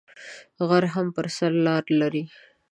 غر هم پر سر لار لری